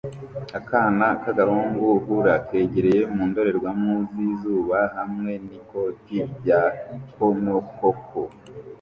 Akana k'agahungu hula kegereye mu ndorerwamo z'izuba hamwe n'ikoti rya Conococo